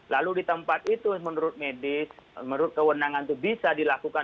lalu di tempat itu menurut medis menurut kewenangan itu bisa dilakukan